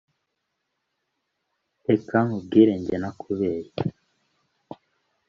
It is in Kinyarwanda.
reka nkubwire jye ntakubeshya